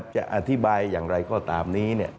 จะอธิบายอย่างไรก็ตามนี้